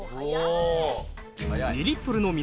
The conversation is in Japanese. ２リットルの水。